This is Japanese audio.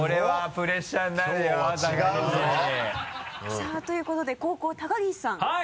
さぁということで後攻高岸さんはい。